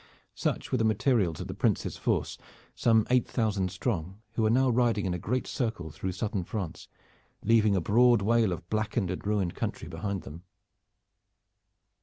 Such were the materials of the Prince's force, some eight thousand strong, who were now riding in a great circle through Southern France, leaving a broad wale of blackened and ruined country behind them.